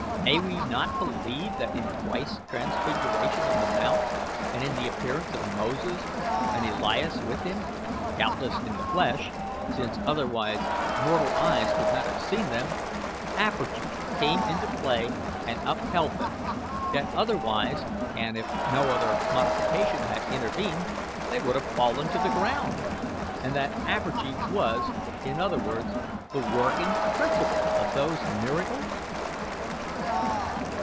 May we not believe that in Christ's transfiguration on the mount, and in the appearance of Moses and Elias with him doubtless in the flesh, since otherwise mortal eyes could not have seen them apergy came into play and upheld them; that otherwise, and if no other modification had intervened, they would have fallen to the ground; and that apergy was, in other words, the working principle of those miracles?"